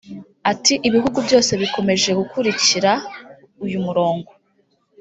Ati “Ibihugu byose bikomeje gukurikira uyu murongo